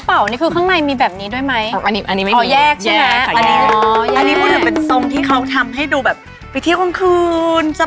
ถ้าถ้าเป็นนับเป็นอาทิตย์ดีกว่าค่ะ